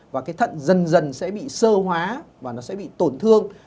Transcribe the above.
và cái thận dần dần sẽ bị sơ hóa và nó sẽ bị tổn thương